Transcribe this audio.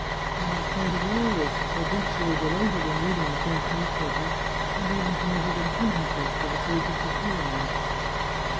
And in spite of all this, Fabrizio delighted in reading the French newspapers, and even committed imprudences for the sake of procuring them.